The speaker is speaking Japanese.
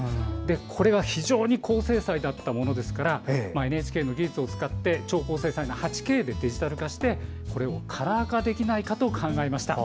これが非常に高精細だったものでＮＨＫの技術を使って超高精細の８Ｋでデジタル化してカラー化できないかと考えました。